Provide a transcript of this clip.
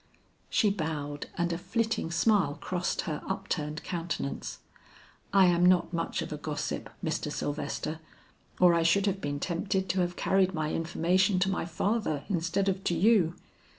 She bowed and a flitting smile crossed her upturned countenance. "I am not much of a gossip, Mr. Sylvester, or I should have been tempted to have carried my information to my father instead of to you."